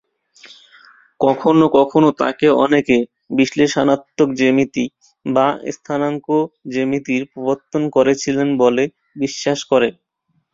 কখনও কখনও তাঁকে অনেকে বিশ্লেষণাত্মক জ্যামিতি বা স্থানাঙ্ক জ্যামিতির প্রবর্তন করেছিলেন বলে বিশ্বাস করে।